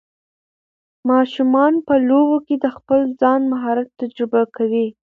ماشومان په لوبو کې د خپل ځان مهارت تجربه کوي.